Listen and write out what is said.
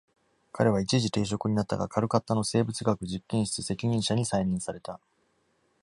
彼は一時停職になったが、カルカッタの生物学実験室責任者に再任された。